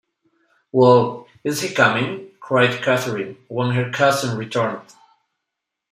‘Well, is he coming?’ cried Catherine, when her cousin returned.